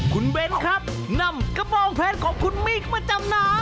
คุณเบ้นครับนำกระบองแผนของคุณมิกมาจำหน่า